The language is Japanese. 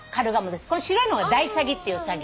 この白いのがダイサギっていうサギ。